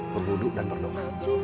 berduduk dan berdokter